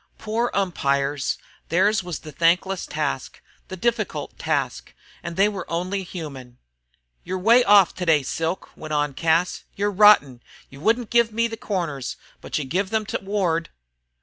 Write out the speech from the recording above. Poor umpires theirs was the thankless task, the difficult task, and they were only human. "You're way off today, Silk," went on Cas. "You're rotten. You wouldn't give me the corners, but you give them 'to Ward."